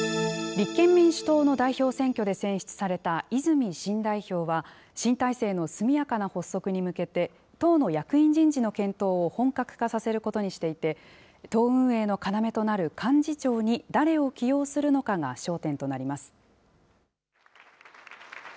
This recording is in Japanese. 立憲民主党の代表選挙で選出された泉新代表は、新体制の速やかな発足に向けて、党の役員人事の検討を本格化させることにしていて、党運営の要となる幹事長に誰を起用するのかが焦点となります。